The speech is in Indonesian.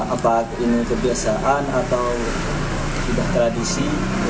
apa ini kebiasaan atau tidak tradisi